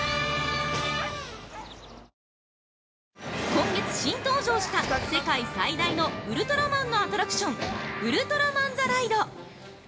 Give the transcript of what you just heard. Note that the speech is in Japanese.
今月新登場した世界最大のウルトラマンのアトラクション「ウルトラマン・ザ・ライド」